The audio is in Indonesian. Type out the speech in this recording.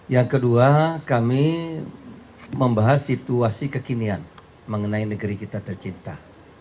yang kedua kami membahas situasi kekinian mengenai negeri kita tercinta